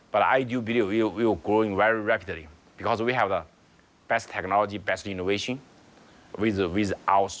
กับมีเงินความสำคัญกับเทคโนโลยีตำรวจ